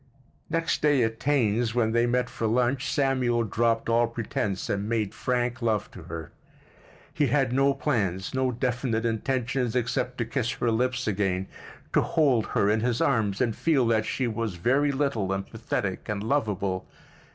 Next day at Taine's, when they met for lunch, Samuel dropped all pretense and made frank love to her. He had no plans, no definite intentions, except to kiss her lips again, to hold her in his arms and feel that she was very little and pathetic and lovable.